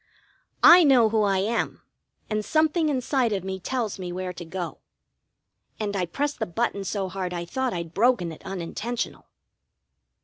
"I know who I am, and something inside of me tells me where to go." And I pressed the button so hard I thought I'd broken it unintentional.